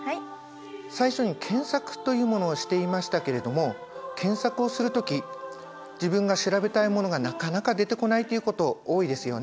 最初に検索というものをしていましたけれども検索をする時自分が調べたいものがなかなか出てこないということ多いですよね。